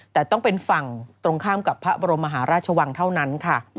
แต่ต้องเป็นฝั่งตรงข้ามกับพระบรมมหาราชวังเท่านั้นค่ะ